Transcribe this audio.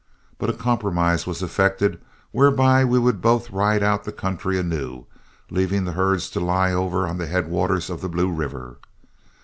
But a compromise was effected whereby we would both ride out the country anew, leaving the herds to lie over on the head waters of the Blue River.